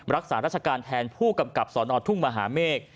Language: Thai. รักษาราชการแทนผู้กำกับสนทุ่งมหาเมฆ